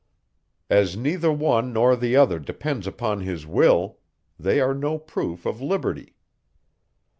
As neither one nor the other depends upon his will, they are no proof of liberty.